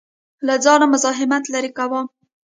له ځانه مزاحمت لرې کاوه.